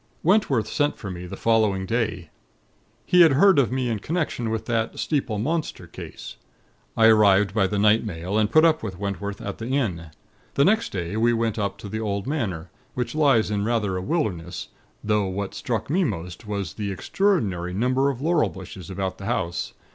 "Wentworth sent for me the following day. He had heard of me in connection with that Steeple Monster Case. I arrived by the night mail, and put up with Wentworth at the inn. The next day we went up to the old Manor, which certainly lies in rather a wilderness; though what struck me most was the extraordinary number of laurel bushes about the house.